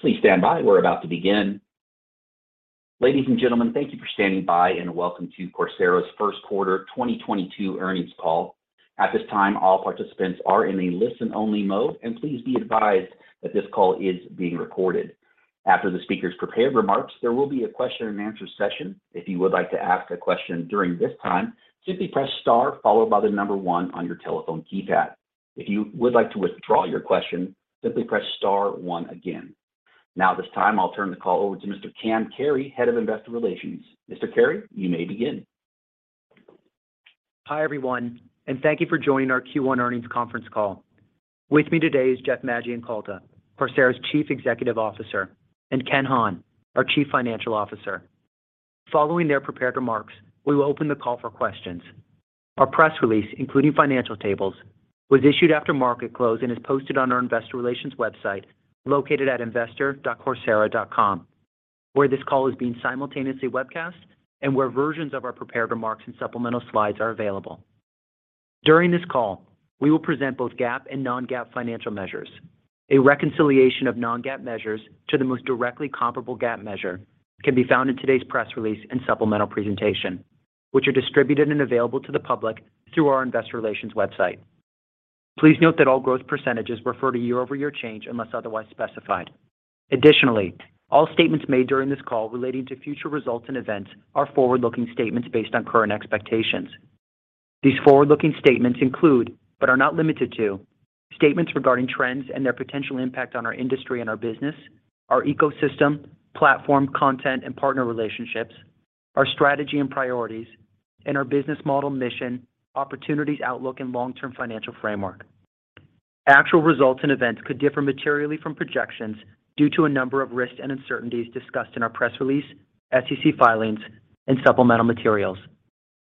Please stand by. We're about to begin. Ladies and gentlemen, thank you for standing by, and welcome to Coursera's first quarter 2022 earnings call. At this time, all participants are in a listen-only mode. Please be advised that this call is being recorded. After the speaker's prepared remarks, there will be a question and answer session. If you would like to ask a question during this time, simply press star followed by the number one on your telephone keypad. If you would like to withdraw your question, simply press star one again. Now at this time, I'll turn the call over to Mr. Cam Carey, Head of Investor Relations. Mr. Carey, you may begin. Hi, everyone, and thank you for joining our Q1 earnings conference call. With me today is Jeff Maggioncalda, Coursera's Chief Executive Officer, and Ken Hahn, our Chief Financial Officer. Following their prepared remarks, we will open the call for questions. Our press release, including financial tables, was issued after market close and is posted on our investor relations website located at investor.coursera.com, where this call is being simultaneously webcast and where versions of our prepared remarks and supplemental slides are available. During this call, we will present both GAAP and non-GAAP financial measures. A reconciliation of non-GAAP measures to the most directly comparable GAAP measure can be found in today's press release and supplemental presentation, which are distributed and available to the public through our investor relations website. Please note that all growth percentages refer to year-over-year change unless otherwise specified. Additionally, all statements made during this call relating to future results and events are forward-looking statements based on current expectations. These forward-looking statements include, but are not limited to, statements regarding trends and their potential impact on our industry and our business, our ecosystem, platform, content, and partner relationships, our strategy and priorities, and our business model, mission, opportunities, outlook, and long-term financial framework. Actual results and events could differ materially from projections due to a number of risks and uncertainties discussed in our press release, SEC filings, and supplemental materials.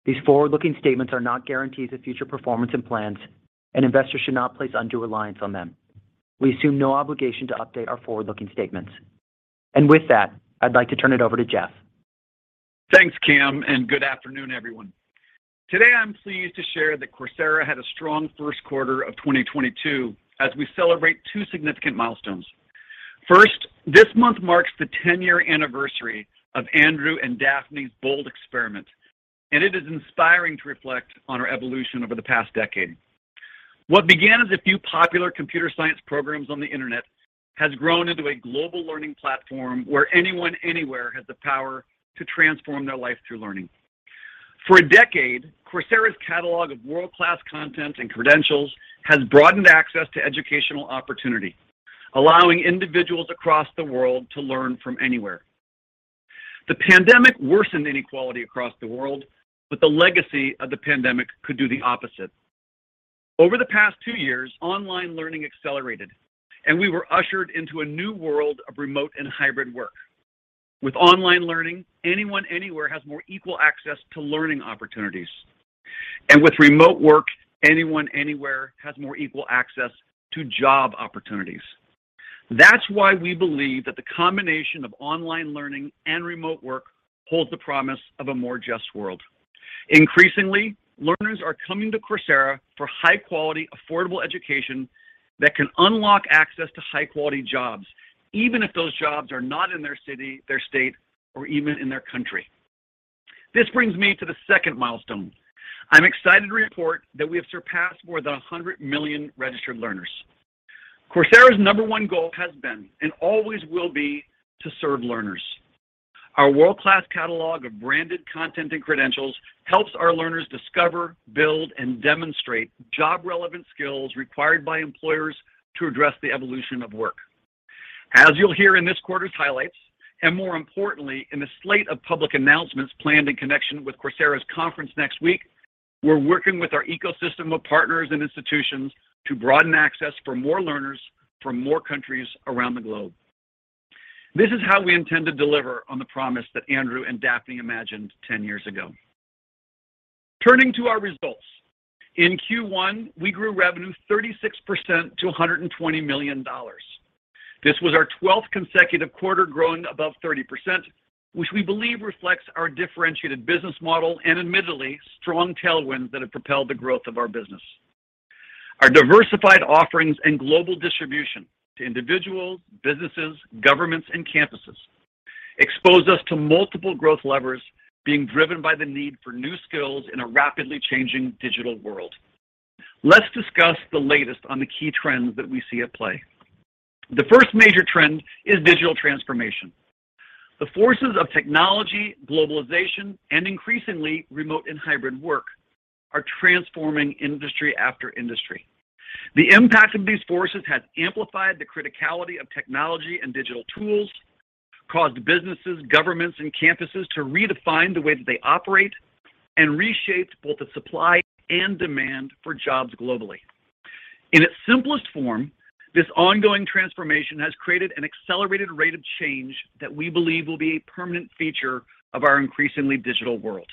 These forward-looking statements are not guarantees of future performance and plans, and investors should not place undue reliance on them. We assume no obligation to update our forward-looking statements. With that, I'd like to turn it over to Jeff. Thanks, Cam, and good afternoon, everyone. Today, I'm pleased to share that Coursera had a strong first quarter of 2022 as we celebrate two significant milestones. First, this month marks the 10-year anniversary of Andrew and Daphne's bold experiment, and it is inspiring to reflect on our evolution over the past decade. What began as a few popular computer science programs on the internet has grown into a global learning platform where anyone, anywhere has the power to transform their life through learning. For a decade, Coursera's catalog of world-class content and credentials has broadened access to educational opportunity, allowing individuals across the world to learn from anywhere. The pandemic worsened inequality across the world, but the legacy of the pandemic could do the opposite. Over the past two years, online learning accelerated, and we were ushered into a new world of remote and hybrid work. With online learning, anyone, anywhere has more equal access to learning opportunities. With remote work, anyone, anywhere has more equal access to job opportunities. That's why we believe that the combination of online learning and remote work holds the promise of a more just world. Increasingly, learners are coming to Coursera for high-quality, affordable education that can unlock access to high-quality jobs, even if those jobs are not in their city, their state, or even in their country. This brings me to the second milestone. I'm excited to report that we have surpassed more than 100 million registered learners. Coursera's number one goal has been and always will be to serve learners. Our world-class catalog of branded content and credentials helps our learners discover, build, and demonstrate job-relevant skills required by employers to address the evolution of work. As you'll hear in this quarter's highlights, and more importantly, in the slate of public announcements planned in connection with Coursera's conference next week, we're working with our ecosystem of partners and institutions to broaden access for more learners from more countries around the globe. This is how we intend to deliver on the promise that Andrew and Daphne imagined 10 years ago. Turning to our results. In Q1, we grew revenue 36% to $120 million. This was our 12th consecutive quarter growing above 30%, which we believe reflects our differentiated business model and admittedly strong tailwinds that have propelled the growth of our business. Our diversified offerings and global distribution to individuals, businesses, governments, and campuses expose us to multiple growth levers being driven by the need for new skills in a rapidly changing digital world. Let's discuss the latest on the key trends that we see at play. The first major trend is digital transformation. The forces of technology, globalization, and increasingly remote and hybrid work are transforming industry after industry. The impact of these forces has amplified the criticality of technology and digital tools, caused businesses, governments, and campuses to redefine the way that they operate, and reshaped both the supply and demand for jobs globally. In its simplest form, this ongoing transformation has created an accelerated rate of change that we believe will be a permanent feature of our increasingly digital world.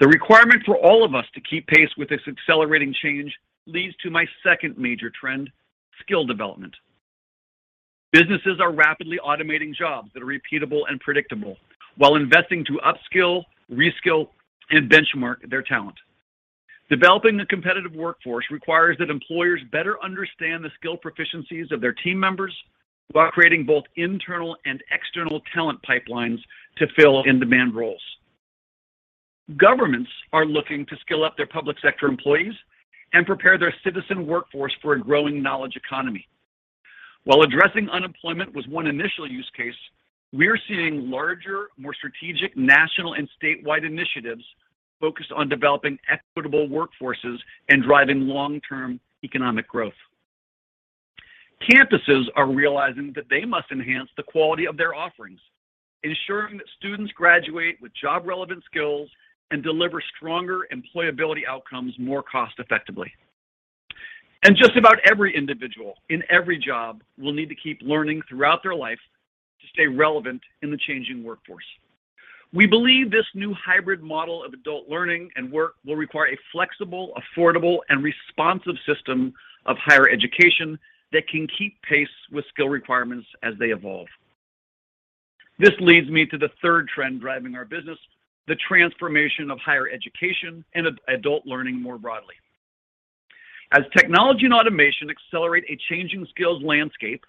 The requirement for all of us to keep pace with this accelerating change leads to my second major trend, skill development. Businesses are rapidly automating jobs that are repeatable and predictable while investing to upskill, reskill, and benchmark their talent. Developing a competitive workforce requires that employers better understand the skill proficiencies of their team members while creating both internal and external talent pipelines to fill in-demand roles. Governments are looking to skill up their public sector employees and prepare their citizen workforce for a growing knowledge economy. While addressing unemployment was one initial use case, we're seeing larger, more strategic national and statewide initiatives focused on developing equitable workforces and driving long-term economic growth. Campuses are realizing that they must enhance the quality of their offerings, ensuring that students graduate with job-relevant skills and deliver stronger employability outcomes more cost-effectively. Just about every individual in every job will need to keep learning throughout their life to stay relevant in the changing workforce. We believe this new hybrid model of adult learning and work will require a flexible, affordable, and responsive system of higher education that can keep pace with skill requirements as they evolve. This leads me to the third trend driving our business, the transformation of higher education and adult learning more broadly. As technology and automation accelerate a changing skills landscape,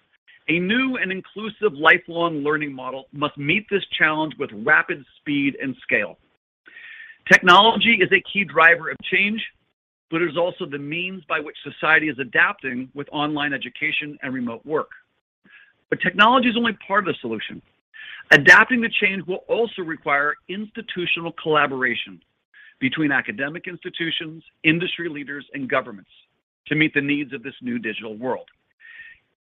a new and inclusive lifelong learning model must meet this challenge with rapid speed and scale. Technology is a key driver of change, but it is also the means by which society is adapting with online education and remote work. Technology is only part of the solution. Adapting to change will also require institutional collaboration between academic institutions, industry leaders, and governments to meet the needs of this new digital world.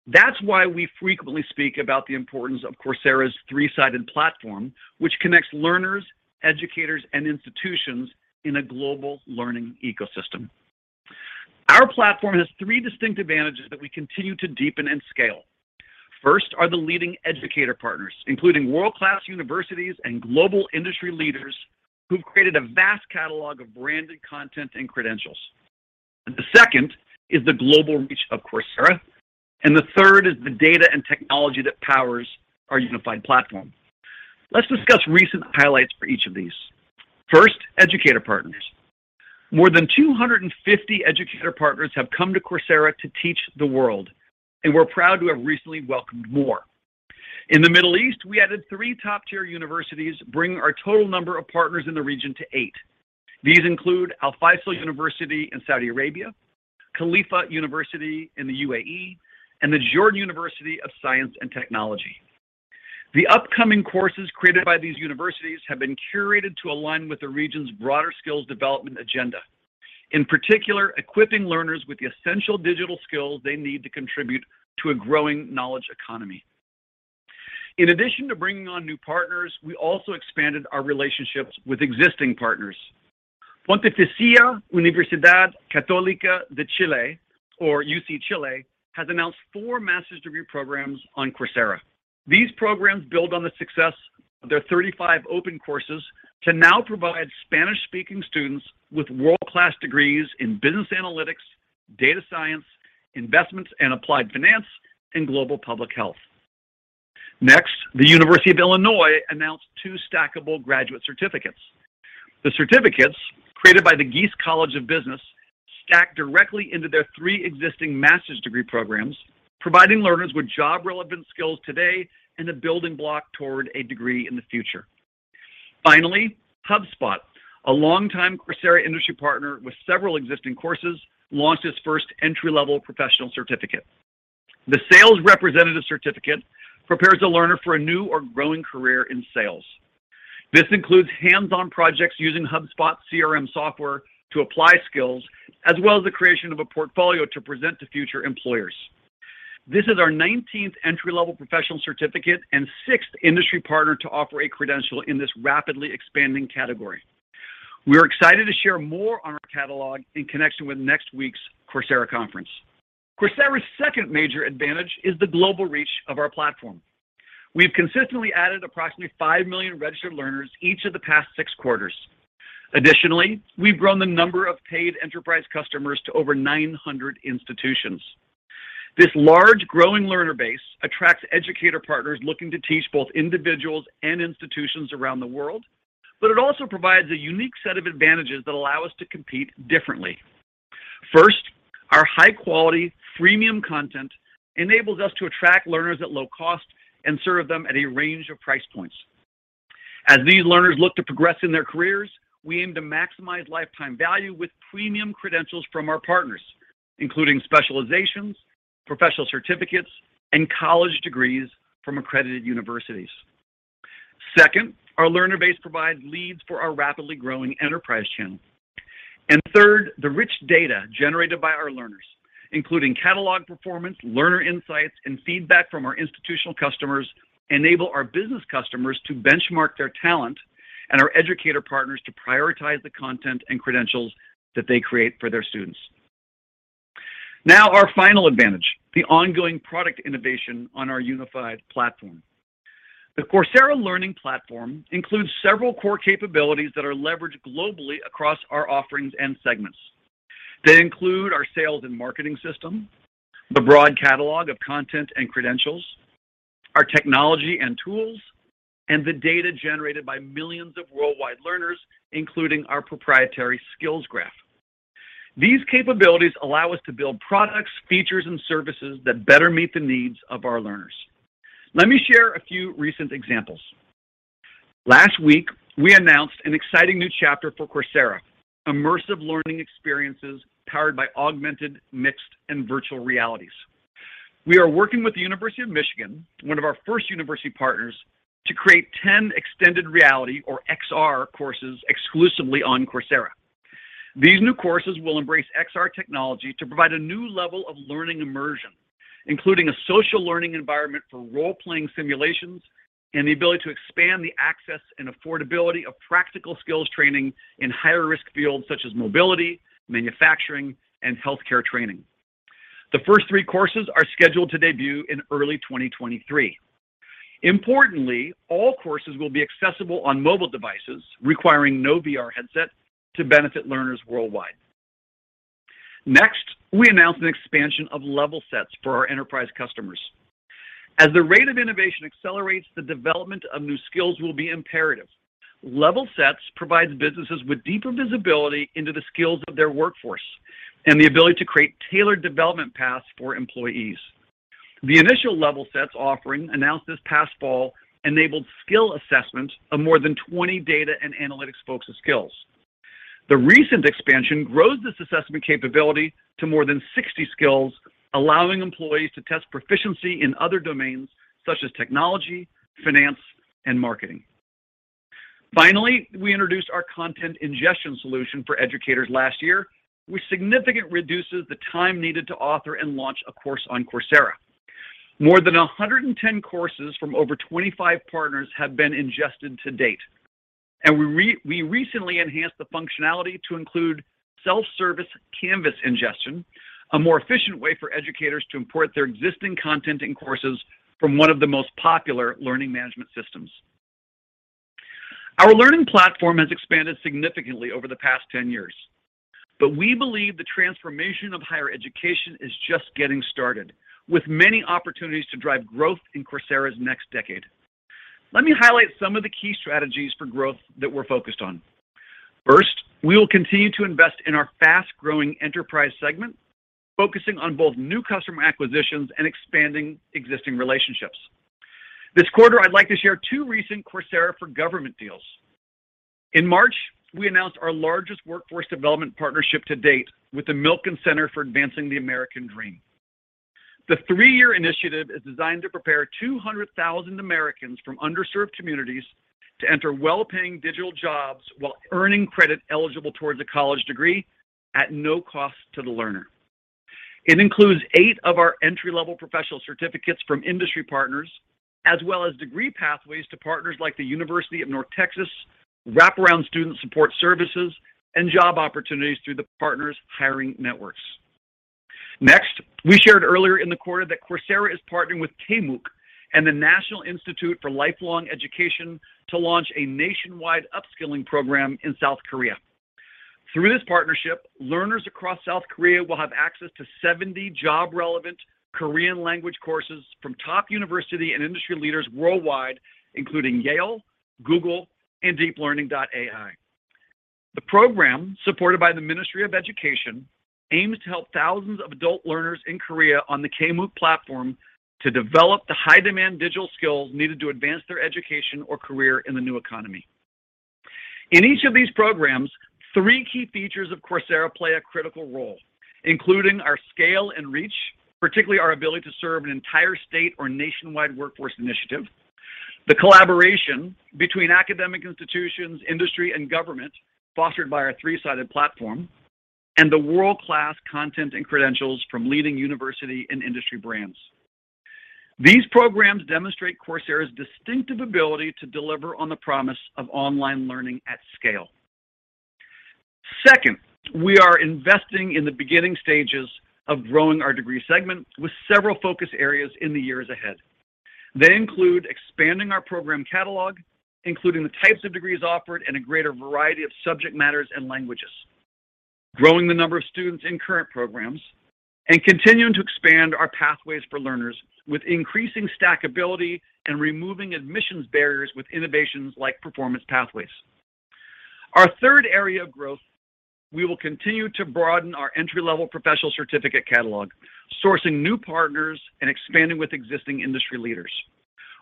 That's why we frequently speak about the importance of Coursera's three-sided platform, which connects learners, educators, and institutions in a global learning ecosystem. Our platform has three distinct advantages that we continue to deepen and scale. First are the leading educator partners, including world-class universities and global industry leaders who've created a vast catalog of branded content and credentials. The second is the global reach of Coursera, and the third is the data and technology that powers our unified platform. Let's discuss recent highlights for each of these. First, educator partners. More than 250 educator partners have come to Coursera to teach the world, and we're proud to have recently welcomed more. In the Middle East, we added three top-tier universities, bringing our total number of partners in the region to eight. These include Alfaisal University in Saudi Arabia, Khalifa University in the UAE, and the Jordan University of Science and Technology. The upcoming courses created by these universities have been curated to align with the region's broader skills development agenda, in particular, equipping learners with the essential digital skills they need to contribute to a growing knowledge economy. In addition to bringing on new partners, we also expanded our relationships with existing partners. Pontificia Universidad Católica de Chile, or UC Chile, has announced four master's degree programs on Coursera. These programs build on the success of their 35 open courses to now provide Spanish-speaking students with world-class degrees in business analytics, data science, investments and applied finance, and global public health. Next, the University of Illinois announced two stackable graduate certificates. The certificates, created by the Gies College of Business, stack directly into their three existing master's degree programs, providing learners with job-relevant skills today and a building block toward a degree in the future. Finally, HubSpot, a longtime Coursera industry partner with several existing courses, launched its first entry-level professional certificate. The Sales Representative Certificate prepares a learner for a new or growing career in sales. This includes hands-on projects using HubSpot CRM software to apply skills, as well as the creation of a portfolio to present to future employers. This is our 19th entry-level professional certificate and sixth industry partner to offer a credential in this rapidly expanding category. We are excited to share more on our catalog in connection with next week's Coursera conference. Coursera's second major advantage is the global reach of our platform. We've consistently added approximately 5 million registered learners each of the past six quarters. Additionally, we've grown the number of paid Enterprise customers to over 900 institutions. This large, growing learner base attracts educator partners looking to teach both individuals and institutions around the world, but it also provides a unique set of advantages that allow us to compete differently. First, our high-quality freemium content enables us to attract learners at low cost and serve them at a range of price points. As these learners look to progress in their careers, we aim to maximize lifetime value with premium credentials from our partners, including specializations, professional certificates, and college degrees from accredited universities. Second, our learner base provides leads for our rapidly growing Enterprise channel. Third, the rich data generated by our learners, including catalog performance, learner insights, and feedback from our institutional customers, enable our business customers to benchmark their talent and our educator partners to prioritize the content and credentials that they create for their students. Now, our final advantage, the ongoing product innovation on our unified platform. The Coursera learning platform includes several core capabilities that are leveraged globally across our offerings and segments. They include our sales and marketing system, the broad catalog of content and credentials, our technology and tools, and the data generated by millions of worldwide learners, including our proprietary Skills Graph. These capabilities allow us to build products, features, and services that better meet the needs of our learners. Let me share a few recent examples. Last week, we announced an exciting new chapter for Coursera. Immersive learning experiences powered by augmented, mixed, and virtual realities. We are working with the University of Michigan, one of our first university partners, to create 10 extended reality or XR courses exclusively on Coursera. These new courses will embrace XR technology to provide a new level of learning immersion, including a social learning environment for role-playing simulations and the ability to expand the access and affordability of practical skills training in higher-risk fields such as mobility, manufacturing, and healthcare training. The first three courses are scheduled to debut in early 2023. Importantly, all courses will be accessible on mobile devices, requiring no VR headset to benefit learners worldwide. Next, we announced an expansion of LevelSets for our Enterprise customers. As the rate of innovation accelerates, the development of new skills will be imperative. LevelSets provides businesses with deeper visibility into the skills of their workforce and the ability to create tailored development paths for employees. The initial LevelSets offering announced this past fall enabled skill assessment of more than 20 data and analytics focus skills. The recent expansion grows this assessment capability to more than 60 skills, allowing employees to test proficiency in other domains such as technology, finance, and marketing. Finally, we introduced our content ingestion solution for educators last year, which significantly reduces the time needed to author and launch a course on Coursera. More than 110 courses from over 25 partners have been ingested to date, and we recently enhanced the functionality to include self-service Canvas ingestion, a more efficient way for educators to import their existing content in courses from one of the most popular learning management systems. Our learning platform has expanded significantly over the past 10 years, but we believe the transformation of higher education is just getting started, with many opportunities to drive growth in Coursera's next decade. Let me highlight some of the key strategies for growth that we're focused on. First, we will continue to invest in our fast-growing Enterprise segment, focusing on both new customer acquisitions and expanding existing relationships. This quarter, I'd like to share two recent Coursera for Government deals. In March, we announced our largest workforce development partnership to date with the Milken Center for Advancing the American Dream. The three-year initiative is designed to prepare 200,000 Americans from underserved communities to enter well-paying digital jobs while earning credit eligible towards a college degree at no cost to the learner. It includes eight of our entry-level professional certificates from industry partners, as well as degree pathways to partners like the University of North Texas, wraparound student support services, and job opportunities through the partners' hiring networks. Next, we shared earlier in the quarter that Coursera is partnering with K-MOOC and the National Institute for Lifelong Education to launch a nationwide upskilling program in South Korea. Through this partnership, learners across South Korea will have access to 70 job-relevant Korean language courses from top university and industry leaders worldwide, including Yale, Google, and DeepLearning.AI. The program, supported by the Ministry of Education, aims to help thousands of adult learners in Korea on the K-MOOC platform to develop the high-demand digital skills needed to advance their education or career in the new economy. In each of these programs, three key features of Coursera play a critical role, including our scale and reach, particularly our ability to serve an entire state or nationwide workforce initiative, the collaboration between academic institutions, industry, and government fostered by our three-sided platform, and the world-class content and credentials from leading university and industry brands. These programs demonstrate Coursera's distinctive ability to deliver on the promise of online learning at scale. Second, we are investing in the beginning stages of growing our Degree segment with several focus areas in the years ahead. They include expanding our program catalog, including the types of degrees offered and a greater variety of subject matters and languages, growing the number of students in current programs, and continuing to expand our pathways for learners with increasing stackability and removing admissions barriers with innovations like performance pathways. Our third area of growth, we will continue to broaden our entry-level professional certificate catalog, sourcing new partners and expanding with existing industry leaders.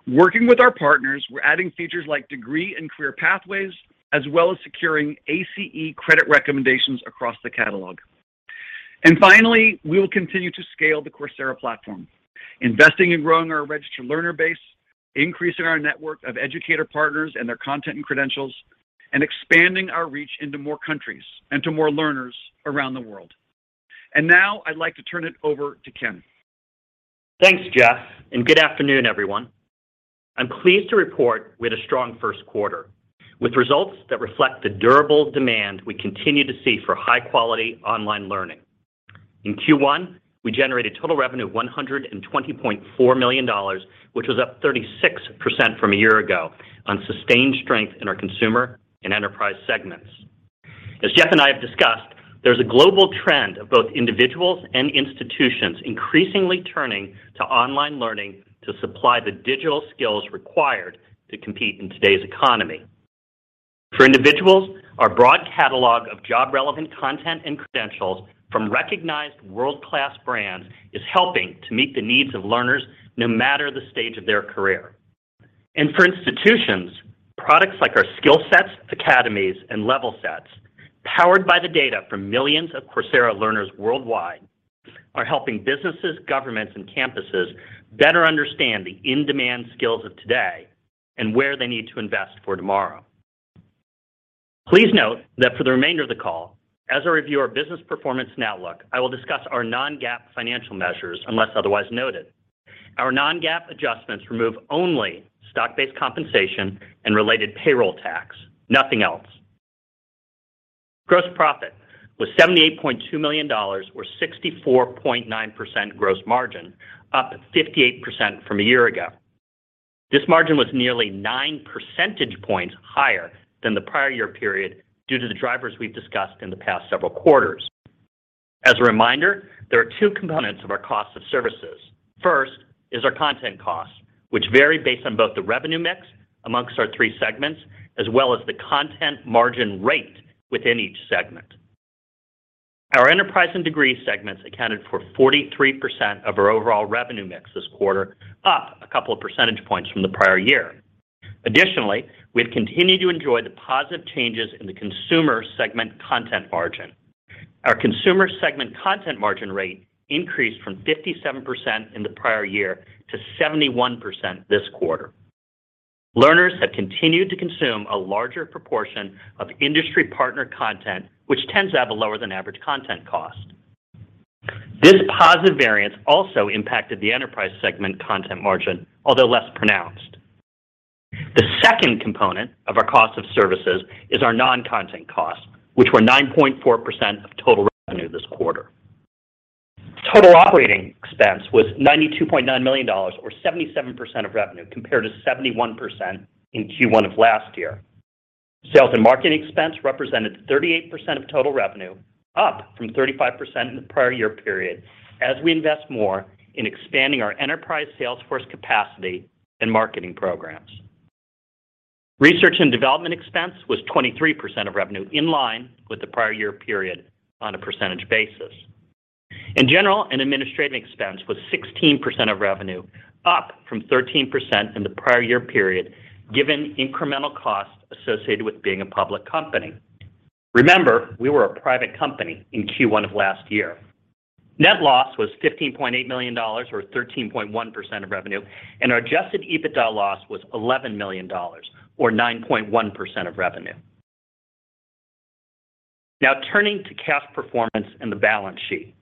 Working with our partners, we're adding features like degree and career pathways, as well as securing ACE credit recommendations across the catalog. Finally, we will continue to scale the Coursera platform, investing in growing our registered learner base, increasing our network of educator partners and their content and credentials, and expanding our reach into more countries and to more learners around the world. Now I'd like to turn it over to Ken. Thanks, Jeff, and good afternoon, everyone. I'm pleased to report we had a strong first quarter with results that reflect the durable demand we continue to see for high-quality online learning. In Q1, we generated total revenue of $120.4 million, which was up 36% from a year ago on sustained strength in our Consumer and Enterprise segments. As Jeff and I have discussed, there's a global trend of both individuals and institutions increasingly turning to online learning to supply the digital skills required to compete in today's economy. For individuals, our broad catalog of job-relevant content and credentials from recognized world-class brands is helping to meet the needs of learners, no matter the stage of their career. For institutions, products like our SkillSets, Academies, and LevelSets, powered by the data from millions of Coursera learners worldwide, are helping businesses, governments, and campuses better understand the in-demand skills of today and where they need to invest for tomorrow. Please note that for the remainder of the call, as I review our business performance and outlook, I will discuss our non-GAAP financial measures unless otherwise noted. Our non-GAAP adjustments remove only stock-based compensation and related payroll tax. Nothing else. Gross profit was $78.2 million or 64.9% gross margin, up 58% from a year ago. This margin was nearly 9 percentage points higher than the prior year period due to the drivers we've discussed in the past several quarters. As a reminder, there are two components of our cost of services. First is our content costs, which vary based on both the revenue mix among our three segments as well as the content margin rate within each segment. Our Enterprise and Degree segments accounted for 43% of our overall revenue mix this quarter, up a couple of percentage points from the prior year. Additionally, we have continued to enjoy the positive changes in the Consumer segment content margin. Our Consumer segment content margin rate increased from 57% in the prior year to 71% this quarter. Learners have continued to consume a larger proportion of industry partner content, which tends to have a lower than average content cost. This positive variance also impacted the Enterprise segment content margin, although less pronounced. The second component of our cost of services is our non-content costs, which were 9.4% of total revenue this quarter. Total operating expense was $92.9 million or 77% of revenue, compared to 71% in Q1 of last year. Sales and marketing expense represented 38% of total revenue, up from 35% in the prior year period as we invest more in expanding our Enterprise sales force capacity and marketing programs. Research and development expense was 23% of revenue, in line with the prior year period on a percentage basis. General and administrative expense was 16% of revenue, up from 13% in the prior year period, given incremental costs associated with being a public company. Remember, we were a private company in Q1 of last year. Net loss was $15.8 million or 13.1% of revenue, and our Adjusted EBITDA loss was $11 million or 9.1% of revenue. Now, turning to cash performance and the balance sheet.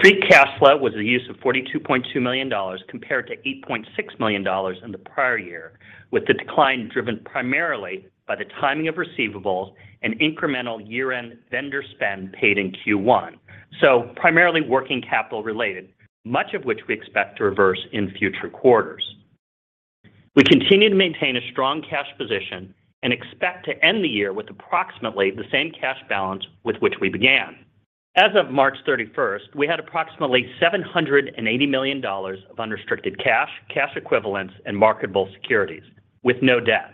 Free cash flow was a use of $42.2 million compared to $8.6 million in the prior year, with the decline driven primarily by the timing of receivables and incremental year-end vendor spend paid in Q1. Primarily working capital-related, much of which we expect to reverse in future quarters. We continue to maintain a strong cash position and expect to end the year with approximately the same cash balance with which we began. As of March 31st, we had approximately $780 million of unrestricted cash equivalents, and marketable securities, with no debt.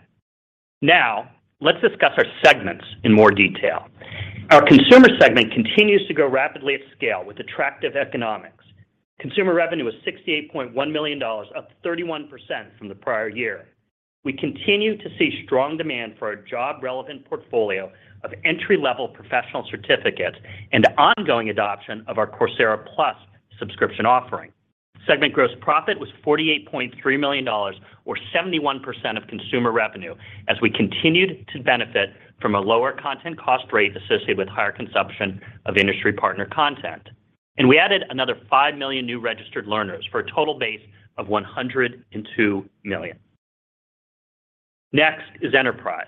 Now, let's discuss our segments in more detail. Our Consumer segment continues to grow rapidly at scale with attractive economics. Consumer revenue was $68.1 million, up 31% from the prior year. We continue to see strong demand for our job-relevant portfolio of entry-level professional certificates and ongoing adoption of our Coursera Plus subscription offering. Segment gross profit was $48.3 million, or 71% of Consumer revenue, as we continued to benefit from a lower content cost rate associated with higher consumption of industry partner content. We added another 5 million new registered learners for a total base of 102 million. Next is Enterprise.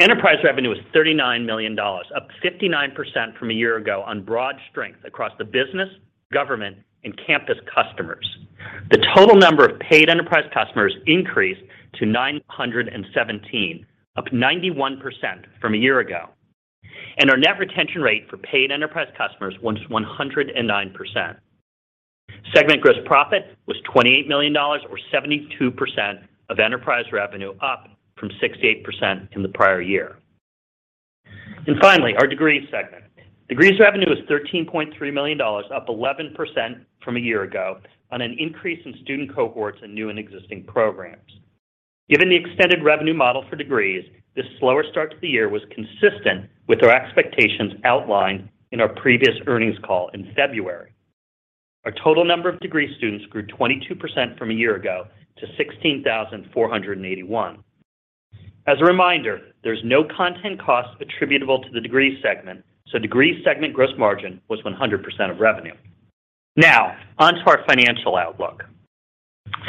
Enterprise revenue is $39 million, up 59% from a year ago on broad strength across the business, government, and campus customers. The total number of paid Enterprise customers increased to 917, up 91% from a year ago. Our net retention rate for paid Enterprise customers was 109%. Segment gross profit was $28 million or 72% of Enterprise revenue, up from 68% in the prior year. Finally, our Degree segment. Degrees revenue is $13.3 million, up 11% from a year ago on an increase in student cohorts in new and existing programs. Given the extended revenue model for degrees, this slower start to the year was consistent with our expectations outlined in our previous earnings call in February. Our total number of degree students grew 22% from a year ago to 16,481. As a reminder, there's no content cost attributable to the Degree segment, so Degree segment gross margin was 100% of revenue. Now, onto our financial outlook.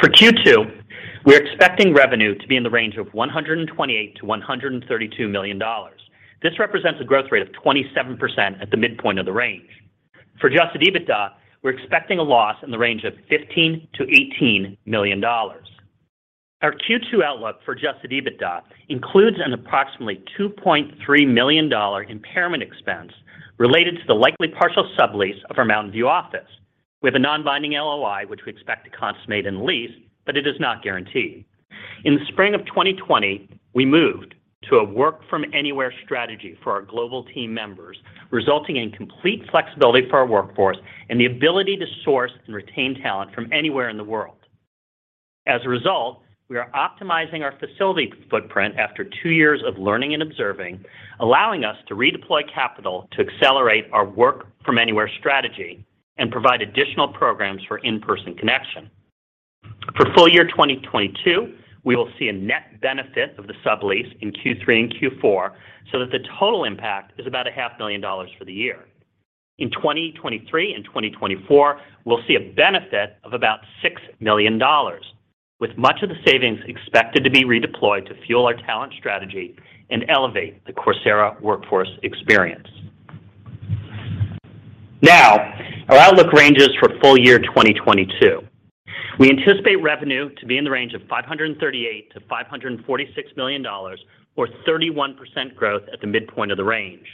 For Q2, we're expecting revenue to be in the range of $128 million-$132 million. This represents a growth rate of 27% at the midpoint of the range. For Adjusted EBITDA, we're expecting a loss in the range of $15 million-$18 million. Our Q2 outlook for adjusted EBITDA includes an approximately $2.3 million impairment expense related to the likely partial sublease of our Mountain View office with a non-binding LOI, which we expect to consummate the lease, but it is not guaranteed. In the spring of 2020, we moved to a work from anywhere strategy for our global team members, resulting in complete flexibility for our workforce and the ability to source and retain talent from anywhere in the world. As a result, we are optimizing our facility footprint after two years of learning and observing, allowing us to redeploy capital to accelerate our work from anywhere strategy and provide additional programs for in-person connection. For full year 2022, we will see a net benefit of the sublease in Q3 and Q4 so that the total impact is about $500,000 for the year. In 2023 and 2024, we'll see a benefit of about $6 million, with much of the savings expected to be redeployed to fuel our talent strategy and elevate the Coursera workforce experience. Now, our outlook ranges for full year 2022. We anticipate revenue to be in the range of $538 million-$546 million or 31% growth at the midpoint of the range.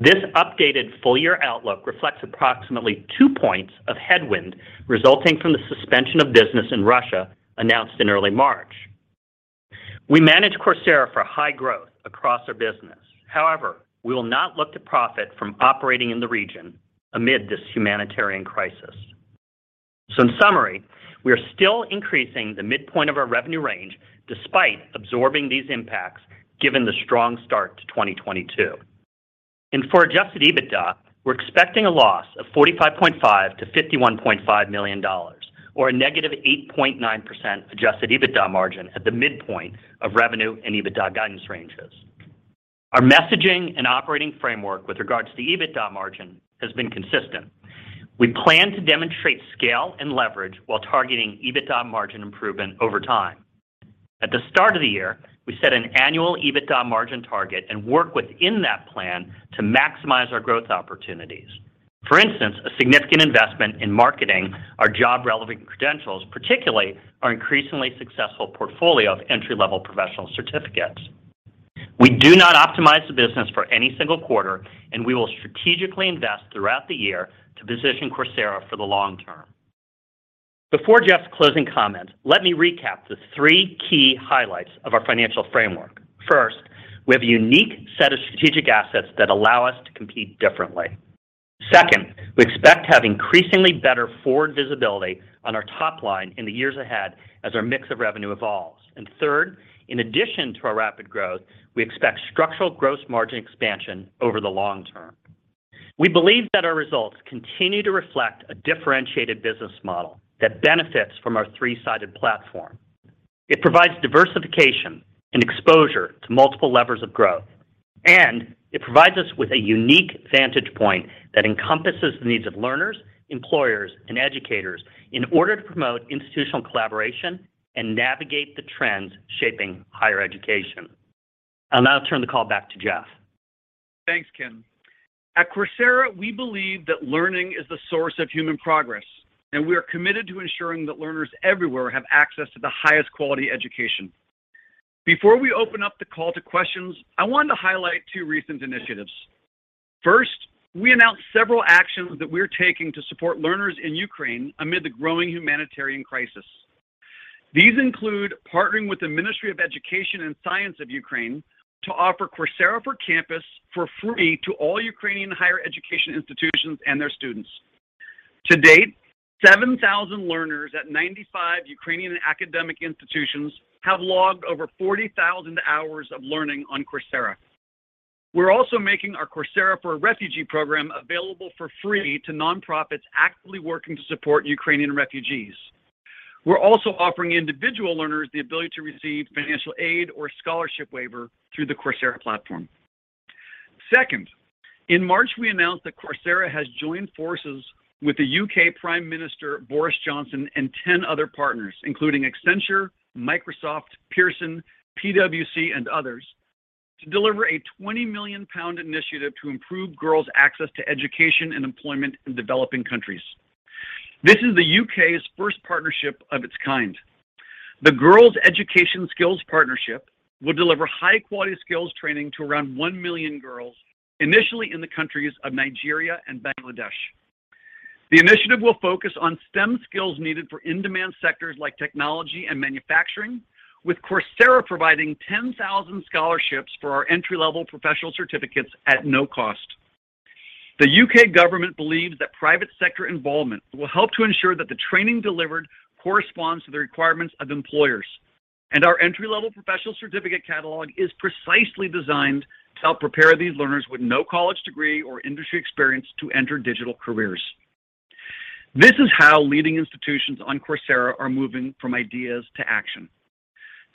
This updated full-year outlook reflects approximately two points of headwind resulting from the suspension of business in Russia announced in early March. We manage Coursera for high growth across our business. However, we will not look to profit from operating in the region amid this humanitarian crisis. In summary, we are still increasing the midpoint of our revenue range despite absorbing these impacts given the strong start to 2022. For Adjusted EBITDA, we're expecting a loss of $45.5 million-$51.5 million or a -8.9% adjusted EBITDA margin at the midpoint of revenue and EBITDA guidance ranges. Our messaging and operating framework with regards to EBITDA margin has been consistent. We plan to demonstrate scale and leverage while targeting EBITDA margin improvement over time. At the start of the year, we set an annual EBITDA margin target and work within that plan to maximize our growth opportunities. For instance, a significant investment in marketing our job-relevant credentials, particularly our increasingly successful portfolio of entry-level professional certificates. We do not optimize the business for any single quarter, and we will strategically invest throughout the year to position Coursera for the long term. Before Jeff's closing comments, let me recap the three key highlights of our financial framework. First, we have a unique set of strategic assets that allow us to compete differently. Second, we expect to have increasingly better forward visibility on our top line in the years ahead as our mix of revenue evolves. Third, in addition to our rapid growth, we expect structural gross margin expansion over the long term. We believe that our results continue to reflect a differentiated business model that benefits from our three-sided platform. It provides diversification and exposure to multiple levers of growth, and it provides us with a unique vantage point that encompasses the needs of learners, employers, and educators in order to promote institutional collaboration and navigate the trends shaping higher education. I'll now turn the call back to Jeff. Thanks, Ken. At Coursera, we believe that learning is the source of human progress, and we are committed to ensuring that learners everywhere have access to the highest quality education. Before we open up the call to questions, I wanted to highlight two recent initiatives. First, we announced several actions that we're taking to support learners in Ukraine amid the growing humanitarian crisis. These include partnering with the Ministry of Education and Science of Ukraine to offer Coursera for Campus for free to all Ukrainian higher education institutions and their students. To date, 7,000 learners at 95 Ukrainian academic institutions have logged over 40,000 hours of learning on Coursera. We're also making our Coursera for Refugees program available for free to nonprofits actively working to support Ukrainian refugees. We're also offering individual learners the ability to receive financial aid or scholarship waiver through the Coursera platform. Second, in March, we announced that Coursera has joined forces with the U.K. Prime Minister, Boris Johnson, and 10 other partners, including Accenture, Microsoft, Pearson, PwC, and others, to deliver a 20 million pound initiative to improve girls' access to education and employment in developing countries. This is the U.K.'s first partnership of its kind. The Girls' Education Skills Partnership will deliver high-quality skills training to around 1 million girls, initially in the countries of Nigeria and Bangladesh. The initiative will focus on STEM skills needed for in-demand sectors like technology and manufacturing, with Coursera providing 10,000 scholarships for our entry-level professional certificates at no cost. The U.K. government believes that private sector involvement will help to ensure that the training delivered corresponds to the requirements of employers. Our entry-level professional certificate catalog is precisely designed to help prepare these learners with no college degree or industry experience to enter digital careers. This is how leading institutions on Coursera are moving from ideas to action.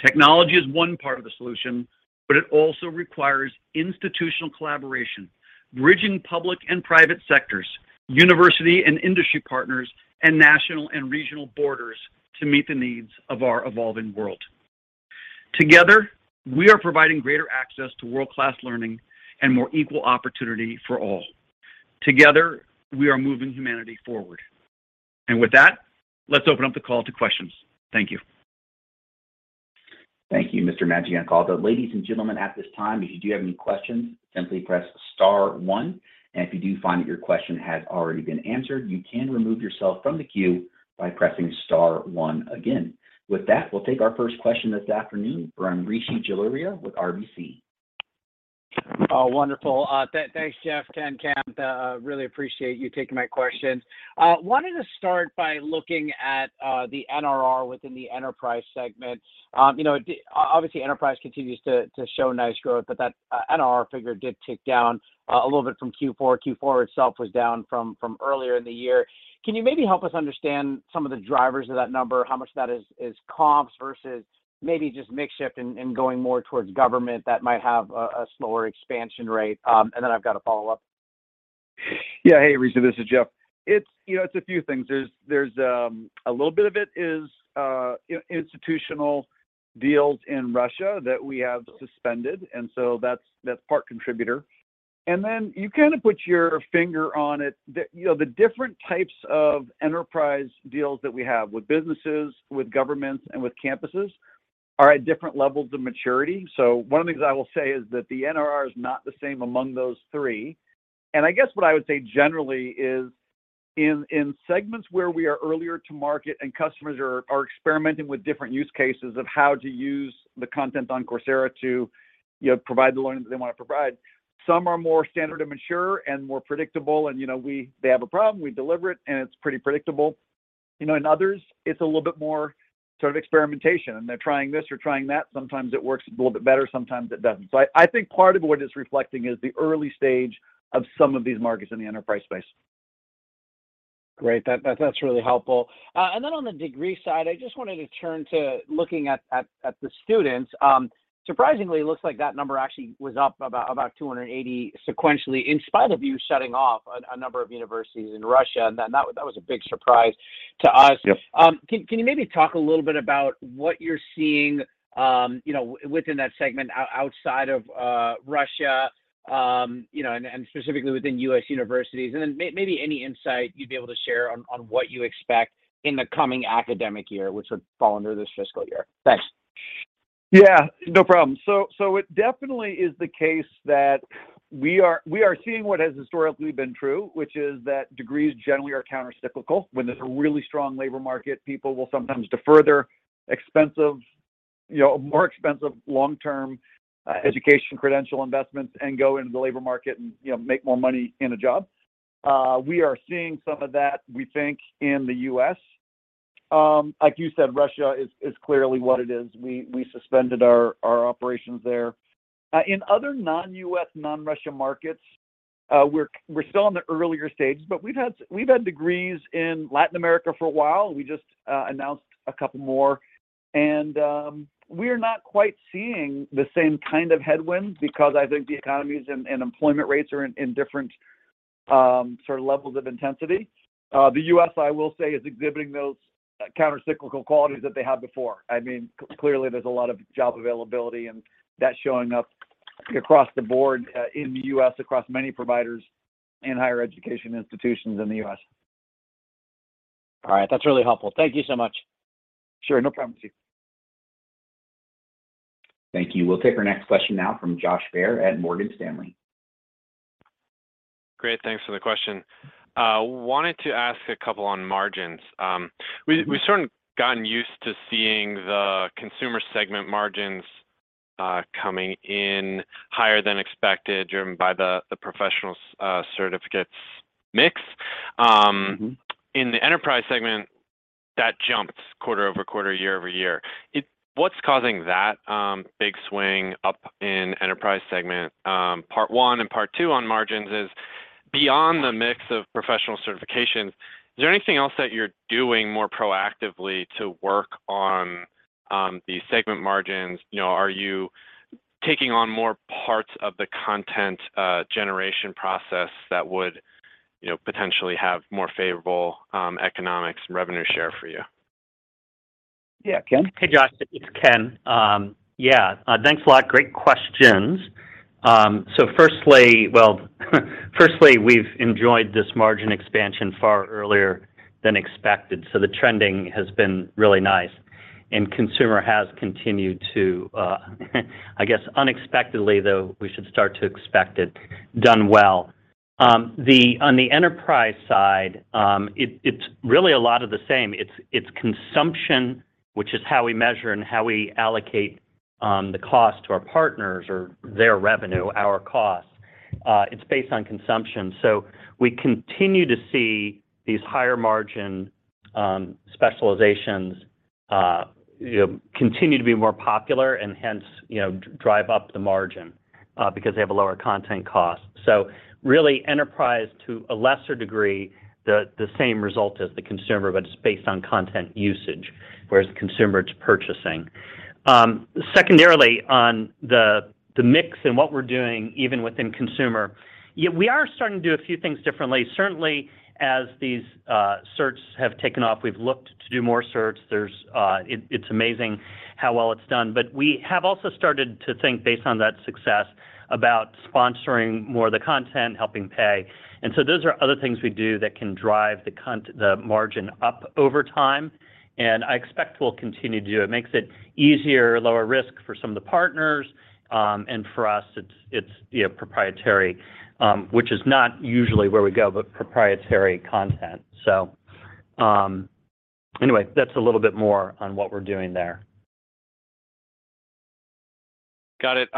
Technology is one part of the solution, but it also requires institutional collaboration, bridging public and private sectors, university and industry partners, and national and regional borders to meet the needs of our evolving world. Together, we are providing greater access to world-class learning and more equal opportunity for all. Together, we are moving humanity forward. With that, let's open up the call to questions. Thank you. Thank you, Mr. Maggioncalda. Ladies and gentlemen, at this time, if you do have any questions, simply press star one. If you do find that your question has already been answered, you can remove yourself from the queue by pressing star one again. With that, we'll take our first question this afternoon from Rishi Jaluria with RBC. Oh, wonderful. Thanks, Jeff, Ken, Cam. Really appreciate you taking my questions. Wanted to start by looking at the NRR within the Enterprise segment. You know, obviously, Enterprise continues to show nice growth, but that NRR figure did tick down a little bit from Q4. Q4 itself was down from earlier in the year. Can you maybe help us understand some of the drivers of that number, how much that is comps versus maybe just mix shift and going more towards government that might have a slower expansion rate? And then I've got a follow-up. Yeah. Hey, Rishi. This is Jeff. It's, you know, it's a few things. There's a little bit of it is institutional deals in Russia that we have suspended, and so that's part contributor. Then you kinda put your finger on it. You know, the different types of enterprise deals that we have with businesses, with governments, and with campuses are at different levels of maturity. One of the things I will say is that the NRR is not the same among those three. I guess what I would say generally is in segments where we are earlier to market and customers are experimenting with different use cases of how to use the content on Coursera to, you know, provide the learning that they wanna provide, some are more standard and mature and more predictable and, you know, they have a problem, we deliver it, and it's pretty predictable. You know, and others, it's a little bit more sort of experimentation, and they're trying this or trying that. Sometimes it works a little bit better, sometimes it doesn't. So I think part of what it's reflecting is the early stage of some of these markets in the enterprise space. Great. That's really helpful. On the degree side, I just wanted to turn to looking at the students. Surprisingly, it looks like that number actually was up about 280 sequentially in spite of you shutting off a number of universities in Russia. That was a big surprise to us. Yeah. Can you maybe talk a little bit about what you're seeing, you know, within that segment outside of Russia, you know, and specifically within U.S. universities, and then maybe any insight you'd be able to share on what you expect in the coming academic year, which would fall under this fiscal year? Thanks. Yeah. No problem. It definitely is the case that we are seeing what has historically been true, which is that degrees generally are countercyclical. When there's a really strong labor market, people will sometimes defer their expensive, you know, more expensive long-term, education credential investments and go into the labor market and, you know, make more money in a job. We are seeing some of that, we think, in the U.S. Like you said, Russia is clearly what it is. We suspended our operations there. In other non-U.S., non-Russia markets, we're still in the earlier stages, but we've had degrees in Latin America for a while. We just announced a couple more. We're not quite seeing the same kind of headwinds because I think the economies and employment rates are in different sort of levels of intensity. The U.S., I will say, is exhibiting those countercyclical qualities that they had before. I mean, clearly there's a lot of job availability, and that's showing up across the board, in the U.S., across many providers and higher education institutions in the U.S. All right. That's really helpful. Thank you so much. Sure. No problem. See you. Thank you. We'll take our next question now from Josh Baer at Morgan Stanley. Great. Thanks for the question. Wanted to ask a couple on margins. We've sort of gotten used to seeing the Consumer segment margins coming in higher than expected, driven by the professionals certificates mix. Mm-hmm In the Enterprise segment, that jumps quarter-over-quarter, year-over-year. What's causing that big swing up in Enterprise segment? Part one and part two on margins is, beyond the mix of professional certifications, is there anything else that you're doing more proactively to work on the segment margins? You know, are you taking on more parts of the content generation process that would, you know, potentially have more favorable economics and revenue share for you? Yeah. Ken? Hey, Josh. It's Ken. Thanks a lot. Great questions. First, we've enjoyed this margin expansion far earlier than expected, so the trending has been really nice. Consumer has continued to, I guess, unexpectedly, though we should start to expect it, done well. On the Enterprise side, it's really a lot of the same. It's consumption, which is how we measure and how we allocate the cost to our partners or their revenue, our costs. It's based on consumption. We continue to see these higher margin specializations continue to be more popular and hence drive up the margin because they have a lower content cost. Really Enterprise to a lesser degree, the same result as the Consumer, but it's based on content usage, whereas the Consumer, it's purchasing. Secondarily, on the mix and what we're doing even within Consumer. Yeah, we are starting to do a few things differently. Certainly, as these certs have taken off, we've looked to do more certs. It's amazing how well it's done. But we have also started to think based on that success about sponsoring more of the content, helping pay. Those are other things we do that can drive the margin up over time, and I expect we'll continue to do. It makes it easier, lower risk for some of the partners, and for us, it's you know, proprietary, which is not usually where we go, but proprietary content. Anyway, that's a little bit more on what we're doing there. Got it.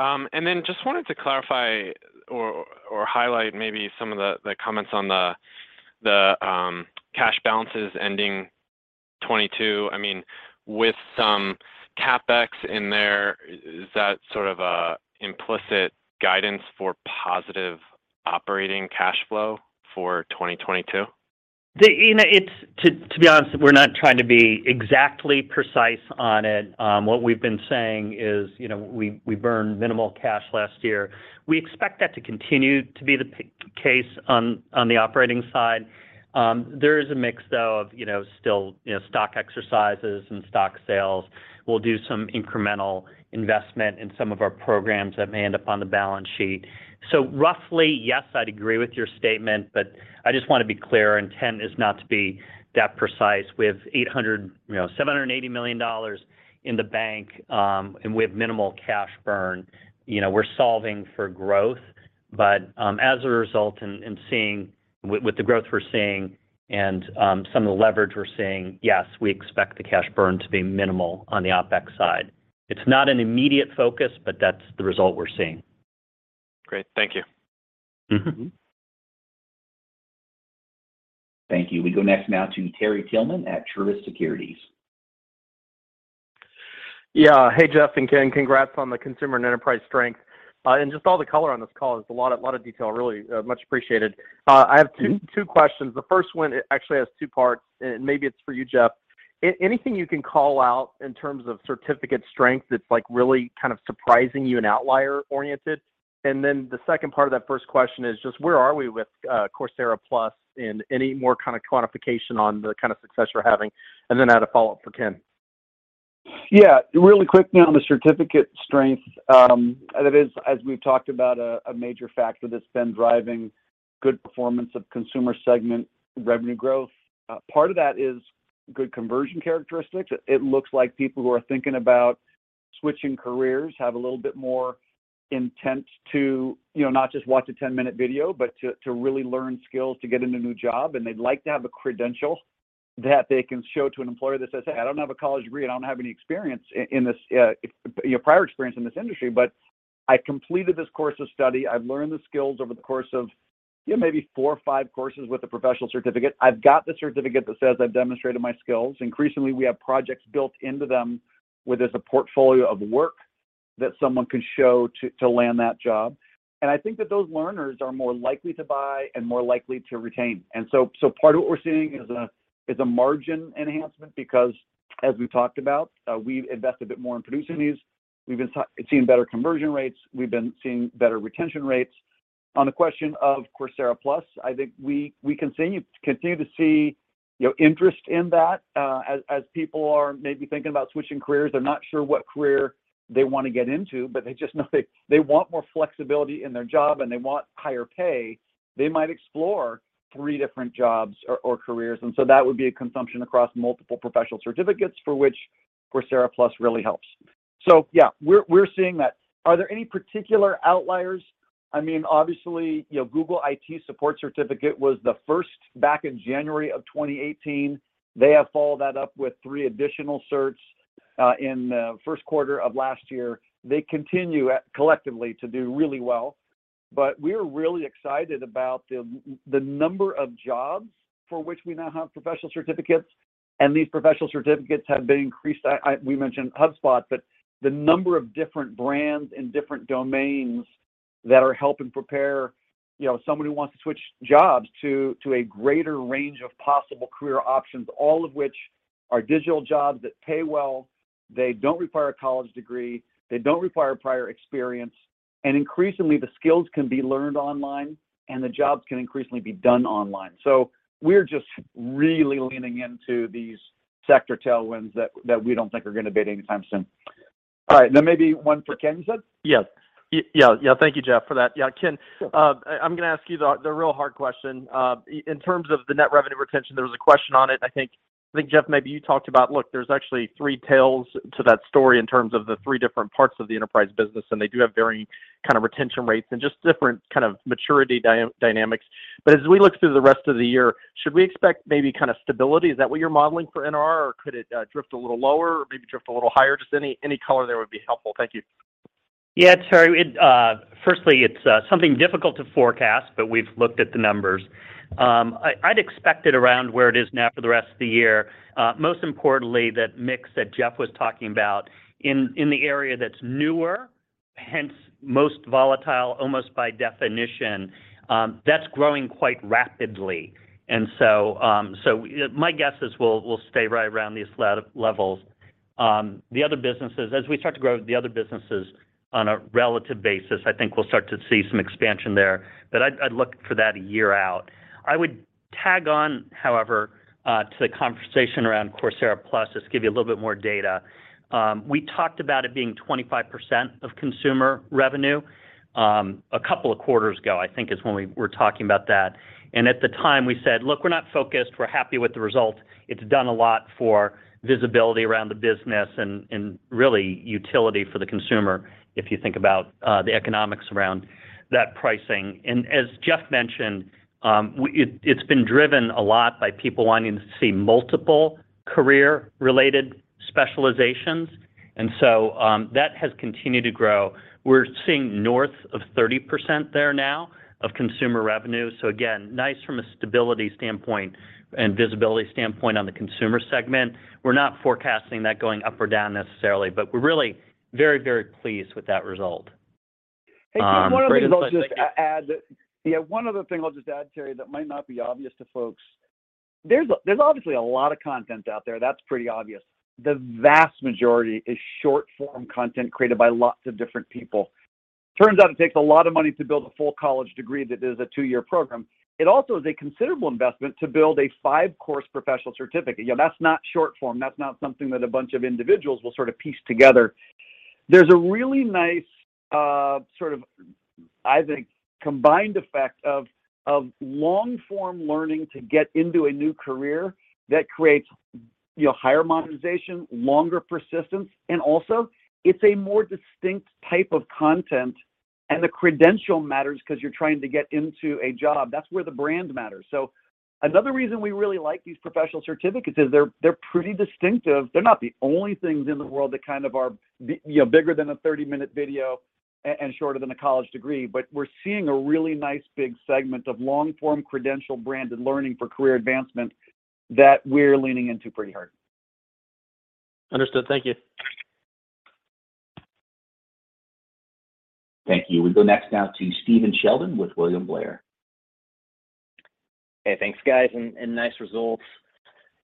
Just wanted to clarify or highlight maybe some of the cash balances ending 2022. I mean, with some CapEx in there, is that sort of a implicit guidance for positive operating cash flow for 2022? To be honest, we're not trying to be exactly precise on it. What we've been saying is, you know, we burned minimal cash last year. We expect that to continue to be the case on the operating side. There is a mix, though, of you know still you know stock exercises and stock sales. We'll do some incremental investment in some of our programs that may end up on the balance sheet. Roughly, yes, I'd agree with your statement, but I just wanna be clear. Our intent is not to be that precise. We have you know $780 million in the bank, and we have minimal cash burn. You know, we're solving for growth. As a result, with the growth we're seeing and some of the leverage we're seeing, yes, we expect the cash burn to be minimal on the OpEx side. It's not an immediate focus, but that's the result we're seeing. Great. Thank you. Mm-hmm. Thank you. We go next now to Terry Tillman at Truist Securities. Yeah. Hey, Jeff and Ken. Congrats on the Consumer and Enterprise strength. Just all the color on this call. There's a lot of detail. Really, much appreciated. I have two questions. The first one actually has two parts, and maybe it's for you, Jeff. Anything you can call out in terms of certificate strength that's like really kind of surprising you and outlier oriented? Then the second part of that first question is just where are we with Coursera Plus and any more kind of quantification on the kind of success you're having? I had a follow-up for Ken. Yeah. Really quickly on the certificate strength, that is, as we've talked about, a major factor that's been driving good performance of Consumer segment revenue growth. Part of that is good conversion characteristics. It looks like people who are thinking about switching careers have a little bit more intent to, you know, not just watch a 10-minute video, but to really learn skills to get into a new job, and they'd like to have a credential that they can show to an employer that says, "Hey, I don't have a college degree. I don't have any experience in this, you know, prior experience in this industry, but I completed this course of study. I've learned the skills over the course of, you know, maybe four or five courses with a professional certificate. I've got the certificate that says I've demonstrated my skills." Increasingly, we have projects built into them where there's a portfolio of work that someone can show to land that job. I think that those learners are more likely to buy and more likely to retain. Part of what we're seeing is a margin enhancement because, as we've talked about, we've invested a bit more in producing these. We've been seeing better conversion rates. We've been seeing better retention rates. On the question of Coursera Plus, I think we continue to see interest in that. As people are maybe thinking about switching careers, they're not sure what career they wanna get into, but they just know they want more flexibility in their job, and they want higher pay. They might explore three different jobs or careers. That would be a consumption across multiple professional certificates for which Coursera Plus really helps. Yeah, we're seeing that. Are there any particular outliers? I mean, obviously, you know, Google IT Support Certificate was the first back in January of 2018. They have followed that up with three additional certs in the first quarter of last year. They continue collectively to do really well. We're really excited about the number of jobs for which we now have professional certificates, and these professional certificates have been increased. We mentioned HubSpot, but the number of different brands and different domains that are helping prepare, you know, someone who wants to switch jobs to a greater range of possible career options, all of which are digital jobs that pay well, they don't require a college degree, they don't require prior experience, and increasingly, the skills can be learned online, and the jobs can increasingly be done online. We're just really leaning into these sector tailwinds that we don't think are gonna abate anytime soon. All right. Maybe one for Ken, you said? Yes. Yeah. Thank you, Jeff, for that. Yeah, Ken, I'm gonna ask you the real hard question. In terms of the net revenue retention, there was a question on it. I think, Jeff, maybe you talked about, look, there's actually three tails to that story in terms of the three different parts of the Enterprise business, and they do have varying kind of retention rates and just different kind of maturity dynamics. As we look through the rest of the year, should we expect maybe kind of stability? Is that what you're modeling for NRR, or could it drift a little lower or maybe drift a little higher? Just any color there would be helpful. Thank you. Yeah. Terry, firstly, it's something difficult to forecast, but we've looked at the numbers. I'd expect it around where it is now for the rest of the year. Most importantly, that mix that Jeff was talking about in the area that's newer. Hence, most volatile almost by definition, that's growing quite rapidly. My guess is we'll stay right around these levels. The other businesses, as we start to grow the other businesses on a relative basis, I think we'll start to see some expansion there. I'd look for that a year out. I would tag on, however, to the conversation around Coursera Plus, just give you a little bit more data. We talked about it being 25% of Consumer revenue, a couple of quarters ago, I think is when we were talking about that. At the time, we said, "Look, we're not focused. We're happy with the result. It's done a lot for visibility around the business and really utility for the consumer," if you think about the economics around that pricing. As Jeff mentioned, it's been driven a lot by people wanting to see multiple career-related specializations. That has continued to grow. We're seeing north of 30% there now of Consumer revenue. Again, nice from a stability standpoint and visibility standpoint on the Consumer segment. We're not forecasting that going up or down necessarily, but we're really very, very pleased with that result. One other thing I'll just add, Terry, that might not be obvious to folks. There's obviously a lot of content out there, that's pretty obvious. The vast majority is short-form content created by lots of different people. Turns out it takes a lot of money to build a full college degree that is a two-year program. It also is a considerable investment to build a five-course professional certificate. You know, that's not short-form. That's not something that a bunch of individuals will sort of piece together. There's a really nice sort of combined effect of long-form learning to get into a new career that creates, you know, higher monetization, longer persistence, and also it's a more distinct type of content, and the credential matters 'cause you're trying to get into a job. That's where the brand matters. Another reason we really like these professional certificates is they're pretty distinctive. They're not the only things in the world that kind of are you know, bigger than a 30-minute video and shorter than a college degree. We're seeing a really nice big segment of long-form credential branded learning for career advancement that we're leaning into pretty hard. Understood. Thank you. Thank you. We go next now to Stephen Sheldon with William Blair. Hey, thanks, guys, and nice results.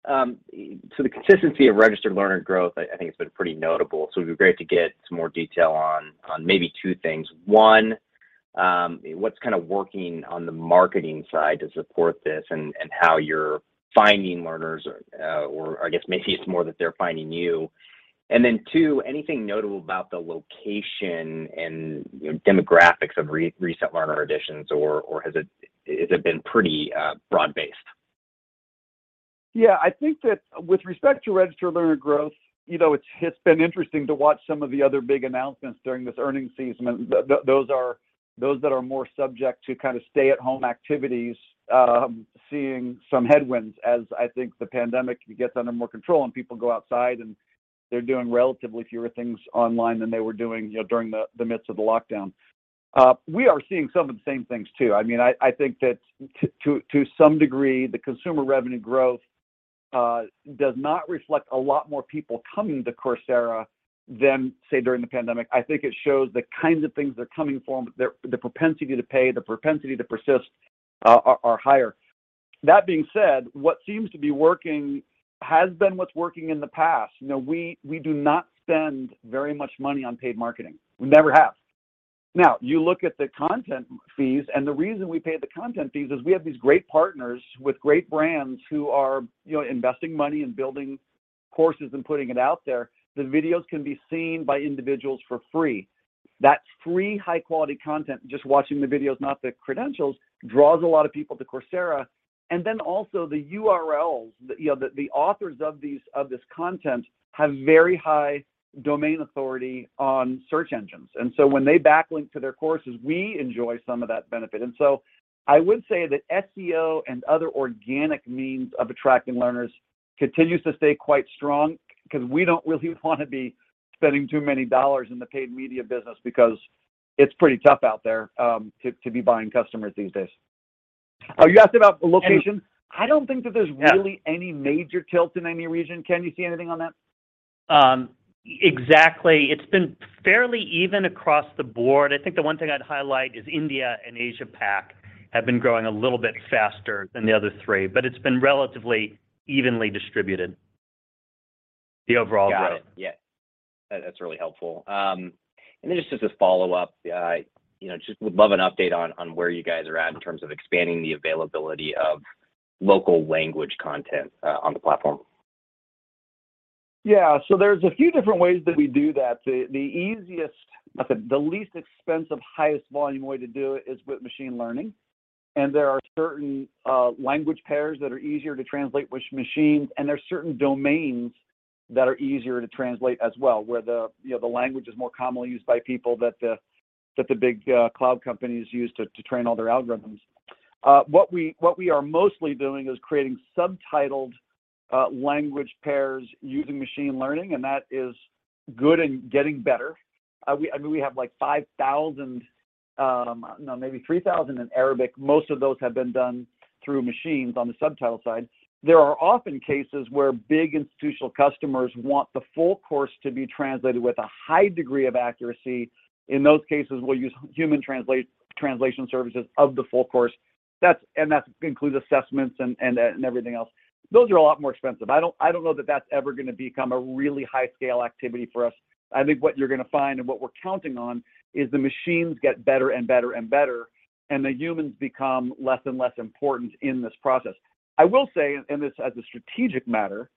The consistency of registered learner growth, I think has been pretty notable, so it'd be great to get some more detail on maybe two things. One, what's kind of working on the marketing side to support this and how you're finding learners, or I guess maybe it's more that they're finding you. Then two, anything notable about the location and, you know, demographics of recent learner additions, or has it been pretty broad-based? Yeah. I think that with respect to registered learner growth, you know, it's been interesting to watch some of the other big announcements during this earnings season. Those that are more subject to kind of stay-at-home activities seeing some headwinds as I think the pandemic gets under more control and people go outside, and they're doing relatively fewer things online than they were doing, you know, during the midst of the lockdown. We are seeing some of the same things too. I mean, I think that to some degree, the Consumer revenue growth does not reflect a lot more people coming to Coursera than, say, during the pandemic. I think it shows the kinds of things they're coming for, the propensity to pay, the propensity to persist are higher. That being said, what seems to be working has been what's working in the past. You know, we do not spend very much money on paid marketing. We never have. Now, you look at the content fees, and the reason we pay the content fees is we have these great partners with great brands who are, you know, investing money and building courses and putting it out there. The videos can be seen by individuals for free. That free high-quality content, just watching the videos, not the credentials, draws a lot of people to Coursera. Then also the URLs, you know, the authors of this content have very high domain authority on search engines. When they backlink to their courses, we enjoy some of that benefit. I would say that SEO and other organic means of attracting learners continues to stay quite strong, 'cause we don't really want to be spending too many dollars in the paid media business because it's pretty tough out there, to be buying customers these days. Oh, you asked about the location? Yeah. I don't think that there's really any major tilt in any region. Ken, you see anything on that? Exactly. It's been fairly even across the board. I think the one thing I'd highlight is India and Asia Pac have been growing a little bit faster than the other three, but it's been relatively evenly distributed, the overall growth. Got it. Yeah. That's really helpful. Just as a follow-up guide, you know, just would love an update on where you guys are at in terms of expanding the availability of local language content on the platform? Yeah. There's a few different ways that we do that. The easiest, the least expensive, highest volume way to do it is with machine learning. There are certain language pairs that are easier to translate with machines, and there are certain domains that are easier to translate as well, where you know, the language is more commonly used by people that the big cloud companies use to train all their algorithms. What we are mostly doing is creating subtitled language pairs using machine learning, and that is good and getting better. We, I mean, we have, like, 5,000—I don't know, maybe 3,000 in Arabic. Most of those have been done through machines on the subtitle side. There are often cases where big institutional customers want the full course to be translated with a high degree of accuracy. In those cases, we'll use human translation services of the full course. That's, and that includes assessments and everything else. Those are a lot more expensive. I don't know that that's ever gonna become a really high-scale activity for us. I think what you're gonna find, and what we're counting on, is the machines get better and better and better, and the humans become less and less important in this process. I will say, and this as a strategic matter,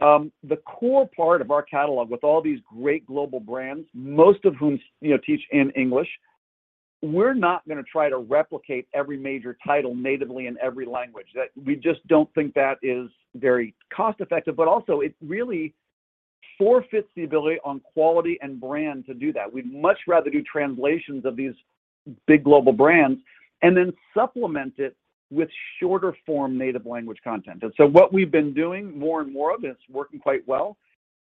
the core part of our catalog with all these great global brands, most of whom, you know, teach in English, we're not gonna try to replicate every major title natively in every language. We just don't think that is very cost-effective, but also it really forfeits the ability on quality and brand to do that. We'd much rather do translations of these big global brands and then supplement it with shorter form native language content. What we've been doing more and more of, and it's working quite well,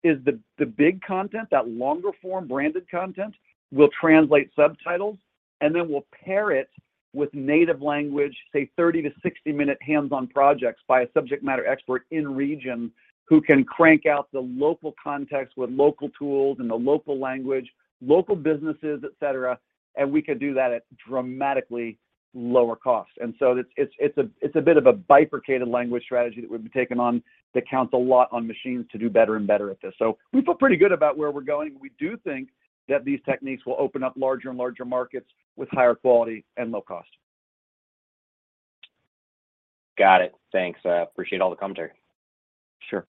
is the big content, that longer form branded content. We'll translate subtitles, and then we'll pair it with native language, say 30 to 60-minute hands-on projects by a subject matter expert in region who can crank out the local context with local tools in the local language, local businesses, et cetera, and we can do that at dramatically lower cost. It's a bit of a bifurcated language strategy that we've been taking on that counts a lot on machines to do better and better at this. We feel pretty good about where we're going. We do think that these techniques will open up larger and larger markets with higher quality and low cost. Got it. Thanks. I appreciate all the commentary. Sure.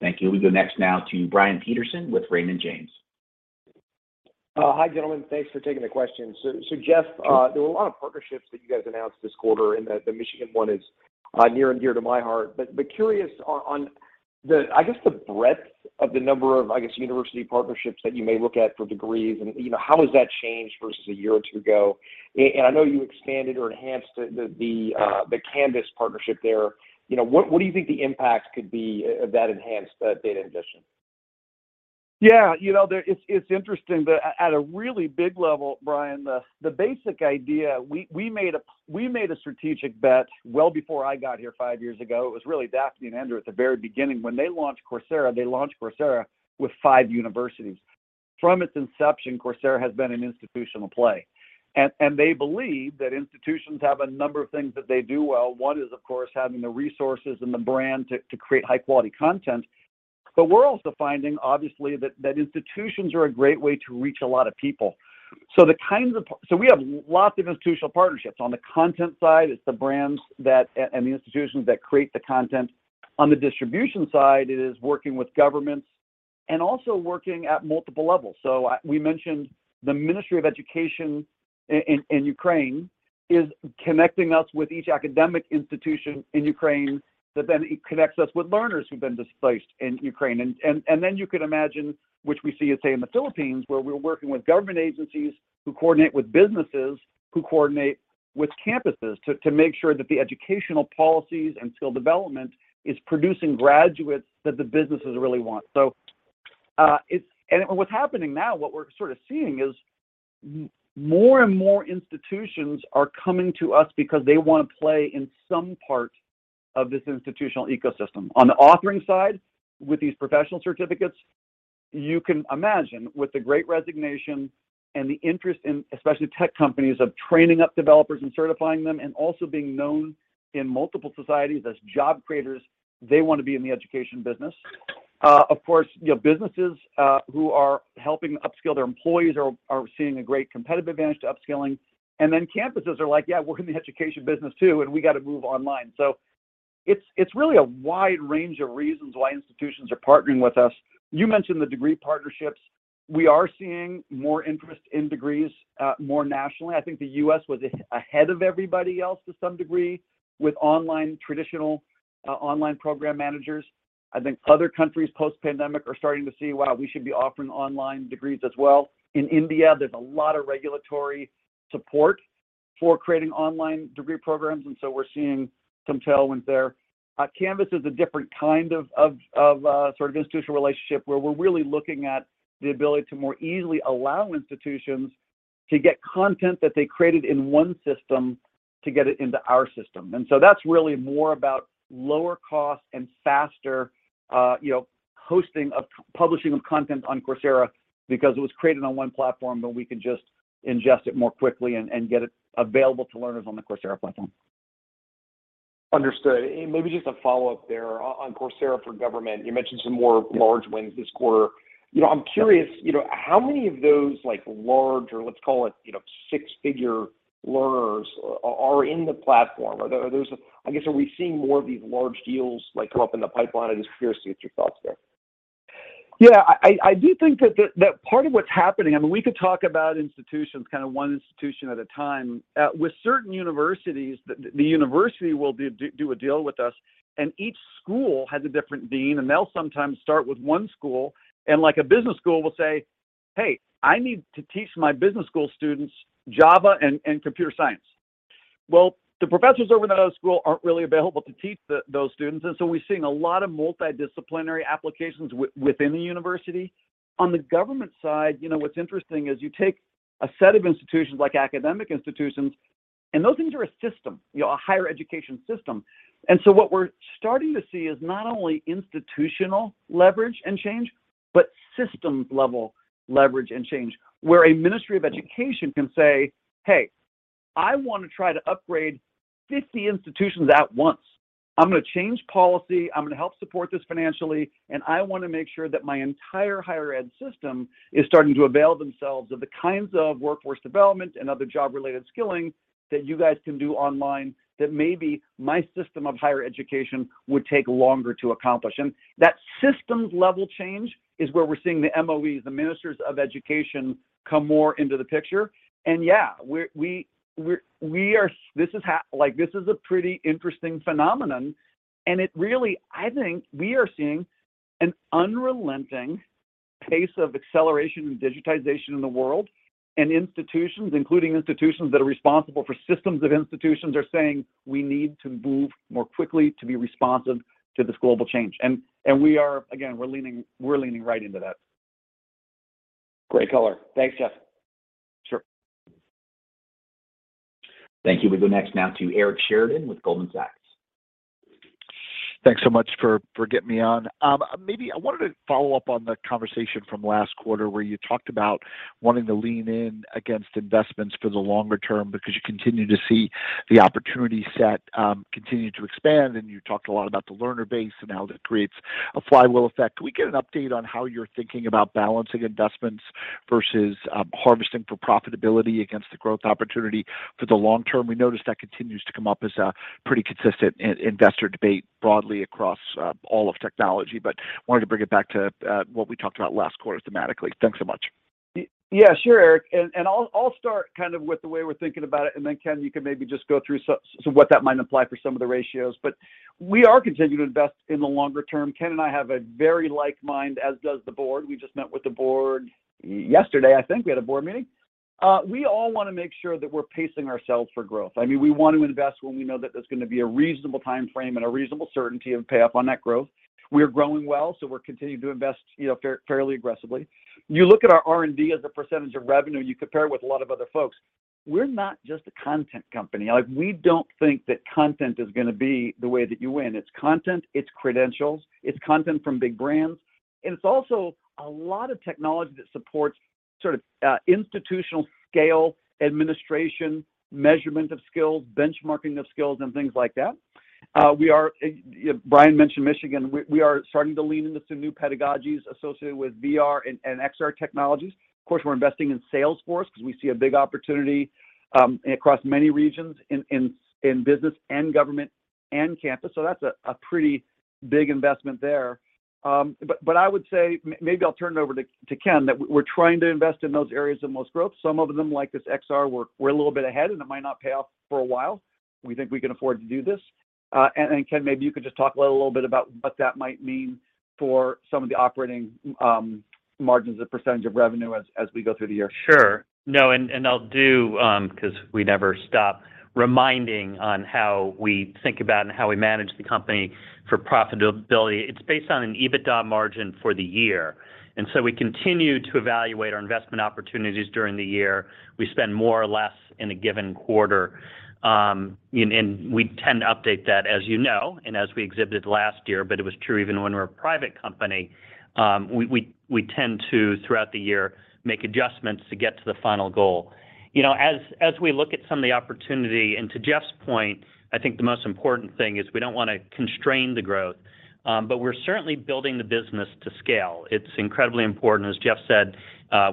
Thank you. We go next now to Brian Peterson with Raymond James. Hi, gentlemen. Thanks for taking the questions. Jeff, there were a lot of partnerships that you guys announced this quarter, and the Michigan one is near and dear to my heart. Curious on the breadth of the number of university partnerships that you may look at for degrees, you know, how has that changed versus a year or two ago? I know you expanded or enhanced the Canvas partnership there. You know, what do you think the impact could be of that enhanced data addition? Yeah. You know, it's interesting. At a really big level, Brian, the basic idea, we made a strategic bet well before I got here five years ago. It was really Daphne and Andrew at the very beginning. When they launched Coursera, they launched Coursera with five universities. From its inception, Coursera has been an institutional play. They believe that institutions have a number of things that they do well. One is, of course, having the resources and the brand to create high quality content. But we're also finding obviously that institutions are a great way to reach a lot of people. We have lots of institutional partnerships. On the content side, it's the brands that and the institutions that create the content. On the distribution side, it is working with governments and also working at multiple levels. We mentioned the Ministry of Education in Ukraine is connecting us with each academic institution in Ukraine that then it connects us with learners who've been displaced in Ukraine. You can imagine, which we see as, say, in the Philippines, where we're working with government agencies who coordinate with businesses who coordinate with campuses to make sure that the educational policies and skill development is producing graduates that the businesses really want. What's happening now, what we're sort of seeing is more and more institutions are coming to us because they wanna play in some part of this institutional ecosystem. On the authoring side, with these professional certificates, you can imagine with the great resignation and the interest in, especially tech companies, of training up developers and certifying them and also being known in multiple societies as job creators, they want to be in the education business. Of course, you know, businesses who are helping upskill their employees are seeing a great competitive advantage to upskilling. Campuses are like, "Yeah, we're in the education business too, and we gotta move online." It's really a wide range of reasons why institutions are partnering with us. You mentioned the degree partnerships. We are seeing more interest in degrees, more nationally. I think the U.S. was ahead of everybody else to some degree with online, traditional, online program managers. I think other countries post-pandemic are starting to see, wow, we should be offering online degrees as well. In India, there's a lot of regulatory support for creating online degree programs, and so we're seeing some tailwinds there. Canvas is a different kind of sort of institutional relationship where we're really looking at the ability to more easily allow institutions to get content that they created in one system to get it into our system. That's really more about lower cost and faster hosting of publishing of content on Coursera because it was created on one platform, but we can just ingest it more quickly and get it available to learners on the Coursera platform. Understood. Maybe just a follow-up there on Coursera for Government. You mentioned some more large wins this quarter. You know, I'm curious, you know, how many of those like large, or let's call it, you know, six-figure learners are in the platform? Are those I guess, are we seeing more of these large deals like come up in the pipeline? I'm just curious to get your thoughts there. Yeah. I do think that that part of what's happening. I mean, we could talk about institutions kind of one institution at a time. With certain universities, the university will do a deal with us, and each school has a different dean, and they'll sometimes start with one school, and like a business school will say, "Hey, I need to teach my business school students Java and computer science." Well, the professors over at that school aren't really available to teach those students, and so we're seeing a lot of multidisciplinary applications within the university. On the government side, you know, what's interesting is you take a set of institutions like academic institutions, and those things are a system, you know, a higher education system. What we're starting to see is not only institutional leverage and change, but systems-level leverage and change, where a Ministry of Education can say, "Hey, I want to try to upgrade 50 institutions at once. I'm gonna change policy, I'm gonna help support this financially, and I want to make sure that my entire higher ed system is starting to avail themselves of the kinds of workforce development and other job-related skilling that you guys can do online that maybe my system of higher education would take longer to accomplish." That systems-level change is where we're seeing the MOEs, the Ministers of Education, come more into the picture. Yeah, like, this is a pretty interesting phenomenon. I think we are seeing an unrelenting pace of acceleration and digitization in the world, and institutions, including institutions that are responsible for systems of institutions, are saying we need to move more quickly to be responsive to this global change. We are, again, we're leaning right into that. Great color. Thanks, Jeff. Sure. Thank you. We go next now to Eric Sheridan with Goldman Sachs. Thanks so much for getting me on. Maybe I wanted to follow up on the conversation from last quarter where you talked about wanting to lean in against investments for the longer term because you continue to see the opportunity set continue to expand, and you talked a lot about the learner base and how that creates a flywheel effect. Can we get an update on how you're thinking about balancing investments versus harvesting for profitability against the growth opportunity for the long term? We noticed that continues to come up as a pretty consistent in-investor debate broadly across all of technology. Wanted to bring it back to what we talked about last quarter thematically. Thanks so much. Yeah, sure, Eric. I'll start kind of with the way we're thinking about it, and then Ken, you can maybe just go through what that might imply for some of the ratios. We are continuing to invest in the longer term. Ken and I have a very like-minded, as does the board. We just met with the board yesterday, I think. We had a board meeting. We all wanna make sure that we're pacing ourselves for growth. I mean, we want to invest when we know that there's gonna be a reasonable timeframe and a reasonable certainty of payoff on that growth. We are growing well, so we're continuing to invest, you know, fairly aggressively. You look at our R&D as a percentage of revenue, and you compare it with a lot of other folks, we're not just a content company. Like, we don't think that content is gonna be the way that you win. It's content, it's credentials, it's content from big brands, and it's also a lot of technology that supports sort of institutional scale administration, measurement of skills, benchmarking of skills, and things like that. Brian mentioned Michigan. We are starting to lean into some new pedagogies associated with VR and XR technologies. Of course, we're investing in sales force because we see a big opportunity across many regions in business and government and campus, so that's a pretty big investment there. But I would say maybe I'll turn it over to Ken, that we're trying to invest in those areas of most growth. Some of them, like this XR work, we're a little bit ahead and it might not pay off for a while. We think we can afford to do this. Ken, maybe you could just talk a little bit about what that might mean for some of the operating margins as percentage of revenue as we go through the year. Sure. No, and I'll do—'cause we never stop reminding on how we think about and how we manage the company for profitability. It's based on an EBITDA margin for the year. We continue to evaluate our investment opportunities during the year. We spend more or less in a given quarter, and we tend to update that, as you know, and as we exhibited last year, but it was true even when we were a private company. We tend to, throughout the year, make adjustments to get to the final goal. You know, as we look at some of the opportunity, and to Jeff's point, I think the most important thing is we don't wanna constrain the growth, but we're certainly building the business to scale. It's incredibly important, as Jeff said,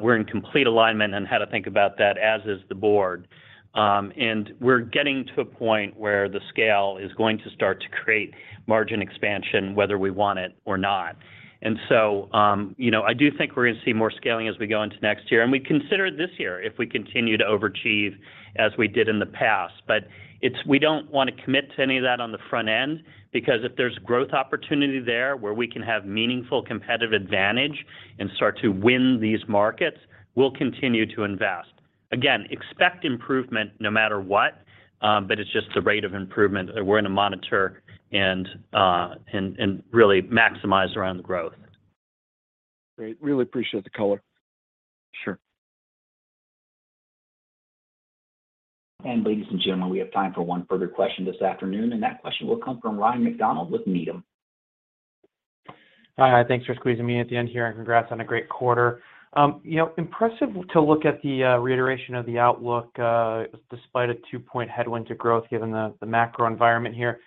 we're in complete alignment on how to think about that, as is the board. We're getting to a point where the scale is going to start to create margin expansion whether we want it or not. You know, I do think we're gonna see more scaling as we go into next year. We consider it this year if we continue to overachieve as we did in the past. It's, we don't wanna commit to any of that on the front end, because if there's growth opportunity there where we can have meaningful competitive advantage and start to win these markets, we'll continue to invest. Again, expect improvement no matter what, but it's just the rate of improvement that we're gonna monitor and really maximize around the growth. Great. Really appreciate the color. Sure. Ladies and gentlemen, we have time for one further question this afternoon, and that question will come from Ryan MacDonald with Needham. Hi. Thanks for squeezing me in at the end here, and congrats on a great quarter. You know, impressive to look at the reiteration of the outlook, despite a 2% headwind to growth given the macro environment here.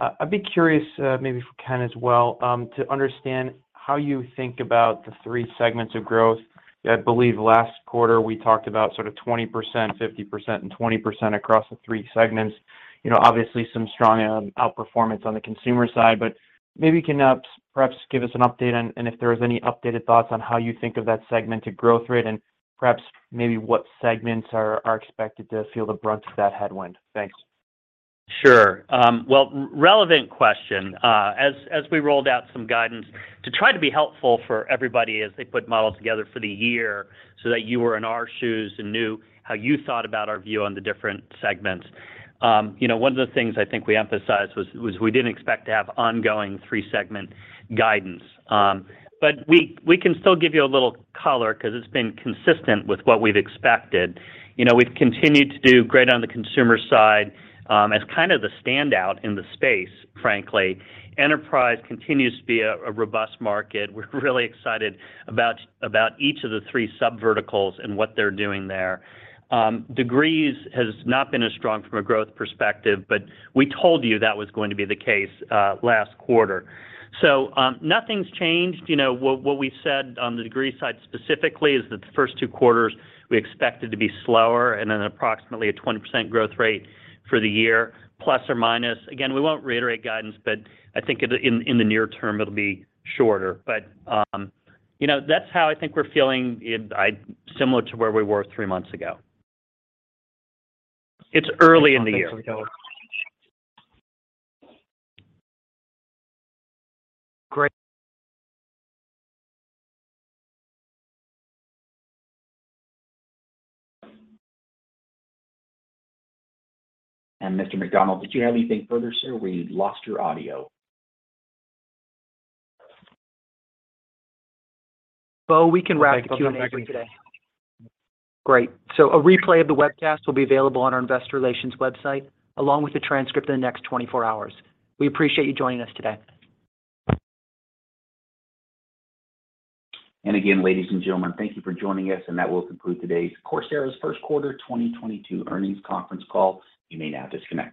I'd be curious, maybe for Ken as well, to understand how you think about the three segments of growth. I believe last quarter we talked about sort of 20%, 50%, and 20% across the three segments. You know, obviously some strong outperformance on the Consumer side, but maybe you can perhaps give us an update and if there was any updated thoughts on how you think of that segment to growth rate, and perhaps maybe what segments are expected to feel the brunt of that headwind. Thanks. Sure. Well, relevant question. As we rolled out some guidance to try to be helpful for everybody as they put models together for the year so that you were in our shoes and knew how you thought about our view on the different segments. You know, one of the things I think we emphasized was we didn't expect to have ongoing three-segment guidance. But we can still give you a little color 'cause it's been consistent with what we've expected. You know, we've continued to do great on the Consumer side, as kind of the standout in the space, frankly. Enterprise continues to be a robust market. We're really excited about each of the three sub-verticals and what they're doing there. Degrees has not been as strong from a growth perspective, but we told you that was going to be the case last quarter. Nothing's changed. You know, what we've said on the Degree side specifically is that the first two quarters we expected to be slower and then approximately a 20% growth rate for the year, plus or minus. Again, we won't reiterate guidance, but I think in the near term it'll be shorter. You know, that's how I think we're feeling it similar to where we were three months ago. It's early in the year. Great. Mr. MacDonald, did you have anything further, sir? We lost your audio. Bo, we can wrap the Q&A for today. Great. A replay of the webcast will be available on our investor relations website along with the transcript in the next 24-hours. We appreciate you joining us today. Again, ladies and gentlemen, thank you for joining us, and that will conclude today's Coursera's First Quarter 2022 Earnings Conference Call. You may now disconnect.